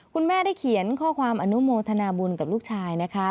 คุณแม่ได้เขียนข้อความอนุโมทนาบุญกับลูกชายนะคะ